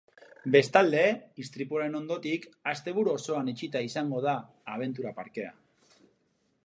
Bestalde, istripuaren ondotik, asteburu osoan itxita izango da abentura parkea.